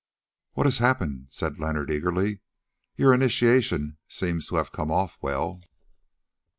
"What has happened?" said Leonard eagerly; "your initiation seems to have come off well."